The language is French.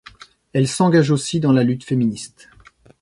Elle s'engage aussi dans la lutte féministe.